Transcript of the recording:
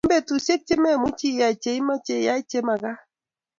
eng' betusiwk che memuchi iyai che imeche yai che mekat